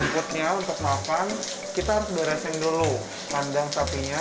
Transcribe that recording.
berikutnya untuk makan kita harus beresin dulu kandang sapinya